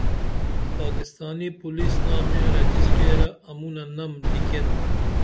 پاکستانی پولیس نامے رجسٹیرہ امونہ نم لیکین